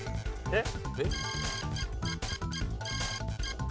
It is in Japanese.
えっ？